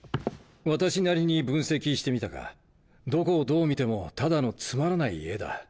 私なりに分析してみたがどこをどう見てもただのつまらない絵だ。